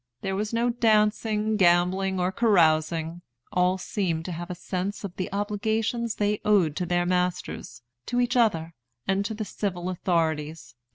There was no dancing, gambling, or carousing. All seemed to have a sense of the obligations they owed to their masters, to each other, and to the civil authorities.